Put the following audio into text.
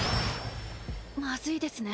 まずいですね。